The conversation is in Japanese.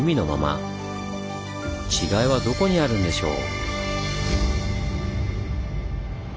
違いはどこにあるんでしょう？